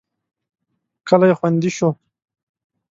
کلی خوندي شو.